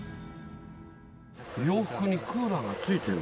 洋服にクーラーがついてる。